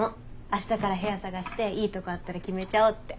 明日から部屋探していいとこあったら決めちゃおうって。